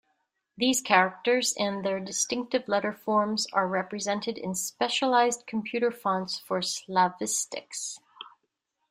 These characters and their distinctive letterforms are represented in specialized computer fonts for Slavistics.